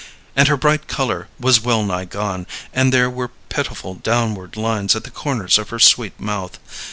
And her bright color was wellnigh gone, and there were pitiful downward lines at the corners of her sweet mouth.